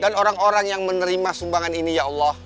dan orang orang yang menerima sumbangan ini ya allah